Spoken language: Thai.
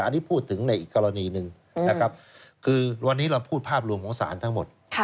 อันนี้พูดถึงในอีกกรณีหนึ่งนะครับคือวันนี้เราพูดภาพรวมของศาลทั้งหมด